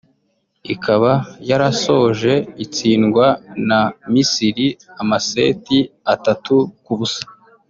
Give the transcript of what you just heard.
ikaba yarasoje itsindwa na Misiri amaseti atatu ku busa